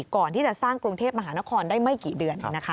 ก่อนที่จะสร้างกรุงเทพมหานครได้ไม่กี่เดือน